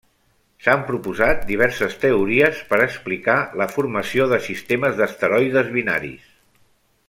S'han proposat diverses teories per explicar la formació de sistemes d'asteroides binaris.